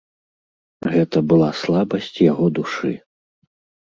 Гэта была слабасць яго душы.